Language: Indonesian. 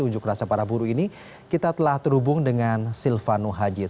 unjuk rasa para buruh ini kita telah terhubung dengan silvano hajid